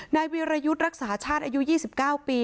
นายวีรยุทธ์รักษาชาติอายุ๒๙ปี